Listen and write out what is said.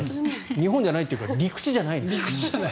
日本じゃないというか陸地じゃない。